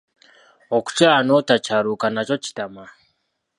Okukyala n'otakyaluka nakyo kitama.